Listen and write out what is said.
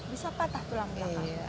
bisa patah tulang belakang